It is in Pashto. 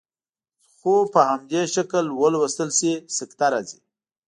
خو په همدې شکل ولوستل شي سکته راځي.